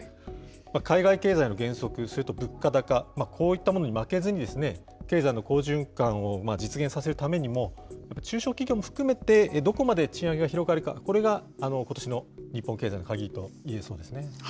海外経済の減速、それと物価高、こういったものに負けずに経済の好循環を実現させるためにも、中小企業も含めてどこまで賃上げが広がるか、これがことしの日本経済の鍵といえそうですね。